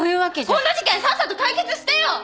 こんな事件さっさと解決してよ！